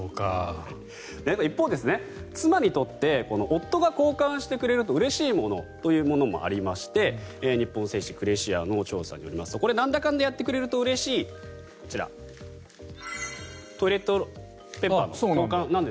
一方、妻にとって夫が交換してくれるとうれしいものというものもありまして日本製紙クレシアの調査によりますとこれ、なんだかんだやってくれるとうれしいものこちら、トイレットロールの交換なんです。